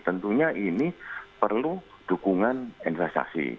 tentunya ini perlu dukungan investasi